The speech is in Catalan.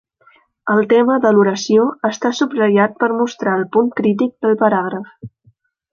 El tema de l'oració està subratllat per mostrar el punt crític del paràgraf.